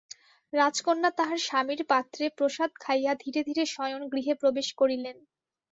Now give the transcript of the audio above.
রাজকন্যা তাহার স্বামীর পাত্রে প্রসাদ খাইয়া ধীরে ধীরে শয়নগৃহে প্রবেশ করিলেন।